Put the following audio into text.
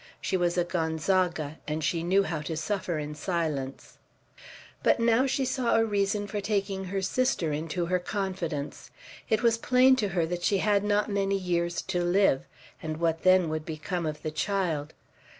She was a Gonzaga, and she knew how to suffer in silence, But now she saw a reason for taking her sister into her confidence. It was plain to her that she had not many years to live; and what then would become of the child?